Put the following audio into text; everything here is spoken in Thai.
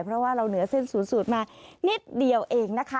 เพราะว่าเราเหนือเส้นสูตรมานิดเดียวเองนะคะ